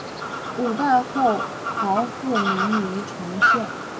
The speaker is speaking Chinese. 五代后唐复名黎城县。